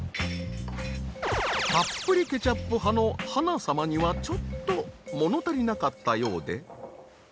たっぷりケチャップ派の芭那様にはちょっと物足りなかったようで。